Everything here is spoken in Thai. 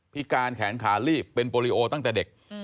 การแขนขาลีบเป็นโปรลิโอตั้งแต่เด็ก